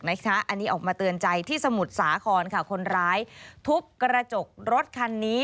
อันนี้ออกมาเตือนใจที่สมุทรสาครค่ะคนร้ายทุบกระจกรถคันนี้